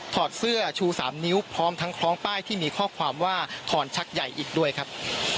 อดเสื้อชู๓นิ้วพร้อมทั้งคล้องป้ายที่มีข้อความว่าถอนชักใหญ่อีกด้วยครับ